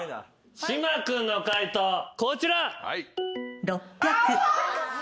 島君の解答こちら。